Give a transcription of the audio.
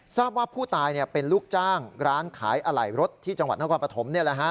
ทราบว่าผู้ตายเป็นลูกจ้างร้านขายอะไหล่รถที่จังหวัดนครปฐม